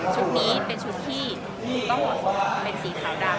นี้เป็นชุดที่ต้องเป็นสีขาวดำ